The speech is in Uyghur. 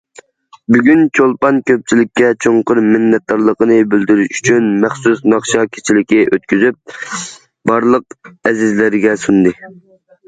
بۈگۈن چولپان كۆپچىلىككە چوڭقۇر مىننەتدارلىقىنى بىلدۈرۈش ئۈچۈن مەخسۇس ناخشا كېچىلىكى ئۆتكۈزۈپ، بارلىق ئەزىزلەرگە سۇندى.